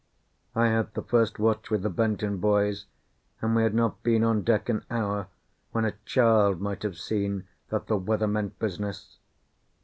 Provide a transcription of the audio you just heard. I had the first watch with the Benton boys, and we had not been on deck an hour when a child might have seen that the weather meant business.